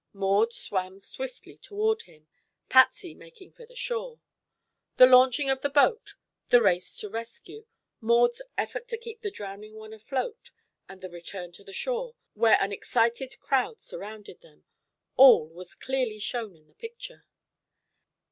Maud swam swiftly toward him, Patsy making for the shore. The launching of the boat, the race to rescue, Maud's effort to keep the drowning one afloat, and the return to the shore, where an excited crowd surrounded them all was clearly shown in the picture.